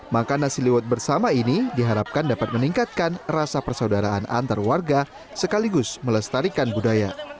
makan nasi liwet bersama ini diharapkan dapat meningkatkan rasa persaudaraan antar warga sekaligus melestarikan budaya